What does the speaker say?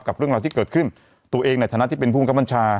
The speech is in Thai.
เรื่องราวที่เกิดขึ้นตัวเองในฐานะที่เป็นผู้บังคับบัญชา